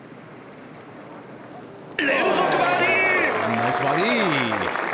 ナイスバーディー！